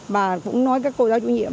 và cũng nói với các cô giáo chủ nhiệm